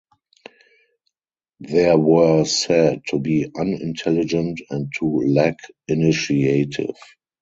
They were said to be unintelligent and to lack initiative.